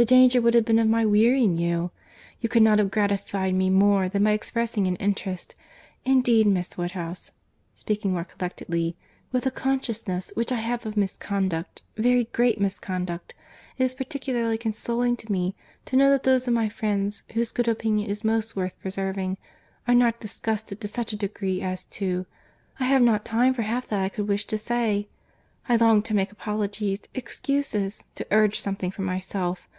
The danger would have been of my wearying you. You could not have gratified me more than by expressing an interest—. Indeed, Miss Woodhouse, (speaking more collectedly,) with the consciousness which I have of misconduct, very great misconduct, it is particularly consoling to me to know that those of my friends, whose good opinion is most worth preserving, are not disgusted to such a degree as to—I have not time for half that I could wish to say. I long to make apologies, excuses, to urge something for myself.